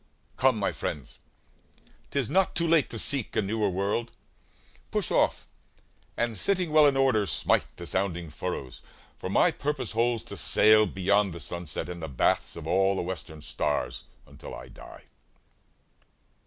Come, my friends, 'T is not too late to seek a newer world. Push off, and sitting well in order smite The sounding furrows; for my purpose holds To sail beyond the sunset, and the baths Of all the western stars, until I die.